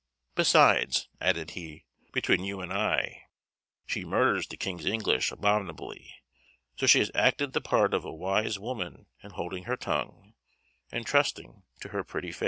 "Besides," added he, "between you and I, she murders the king's English abominably; so she has acted the part of a wise woman in holding her tongue, and trusting to her pretty face."